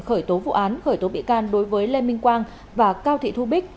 khởi tố vụ án khởi tố bị can đối với lê minh quang và cao thị thu bích